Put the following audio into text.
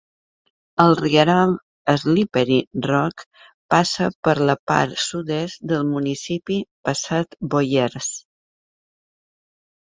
El Rierol Slippery Rock passa per la part sud-est del municipi passat Boyers.